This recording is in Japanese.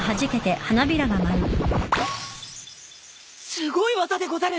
すごい技でござる。